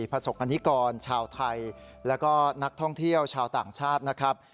ประสบกรณิกรชาวไทยแล้วก็นักท่องเที่ยวชาวต่างชาตินะครับ